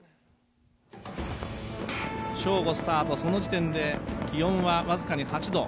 正午スタート、その時点で気温は僅かに８度。